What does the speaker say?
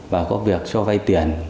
và có việc cho vay tiền